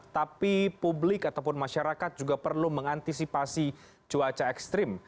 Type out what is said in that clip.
tapi publik ataupun masyarakat juga perlu mengantisipasi cuaca ekstrim